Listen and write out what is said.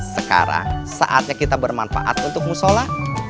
sekarang saatnya kita bermanfaat untuk musola